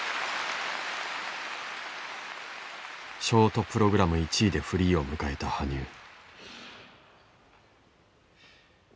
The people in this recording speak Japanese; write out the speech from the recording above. ショートプログラム１位でフリーを迎えた羽生。